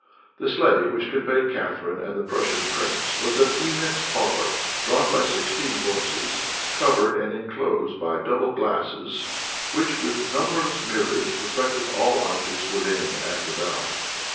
The sleigh which conveyed Catharine and the Prussian prince was an immense parlor drawn by sixteen horses, covered and inclosed by double glasses, which, with numberless mirrors, reflected all objects within and without.